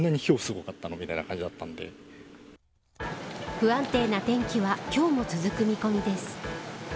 不安定な天気は今日も続く見込みです。